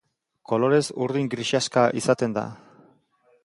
Kolorez urdin grisaxka izaten da.